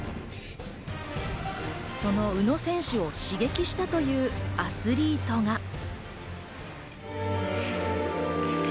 その宇野選手を刺激したというアスリートが。